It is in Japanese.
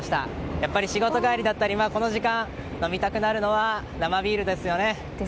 やっぱり仕事帰りだったりでこの時間、飲みたくなるのは生ビールですよね。